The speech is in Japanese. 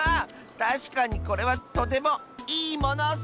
たしかにこれはとても「いいもの」ッス！